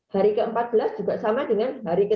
hari ke empat belas juga sama dengan hari ke